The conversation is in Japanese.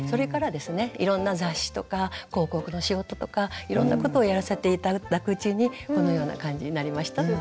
いろんな雑誌とか広告の仕事とかいろんなことをやらせて頂くうちにこのような感じになりましたという。